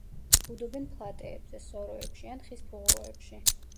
ბუდობენ ფლატეებზე, სოროებში, ან ხის ფუღუროებში.